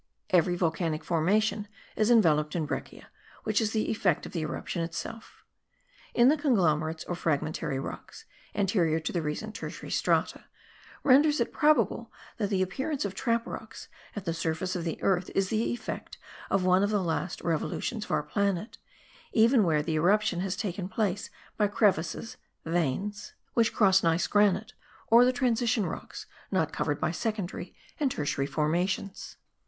Every volcanic formation is enveloped in breccia, which is the effect of the eruption itself.), in the conglomerates or fragmentary rocks anterior to the recent tertiary strata, renders it probable that the appearance of trap rocks at the surface of the earth is the effect of one of the last revolutions of our planet, even where the eruption has taken place by crevices (veins) which cross gneiss granite, or the transition rocks not covered by secondary and tertiary formations.